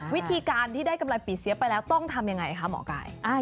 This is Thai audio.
วิธีการที่ได้กำไรปีเสียไปแล้วต้องทำยังไงคะหมอไก่